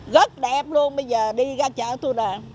rất đẹp luôn bây giờ đi ra chợ tôi làm